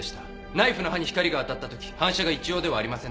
ナイフの刃に光が当たったとき反射が一様ではありませんでした。